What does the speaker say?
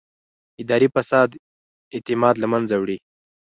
اداري فساد اعتماد له منځه وړي